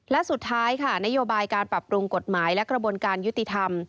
และสุดท้ายค่ะนโยบายการปรับปรุงกฎหมายและกระบวนการยุติธรรม